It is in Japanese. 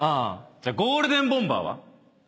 ゴールデンボンバーは？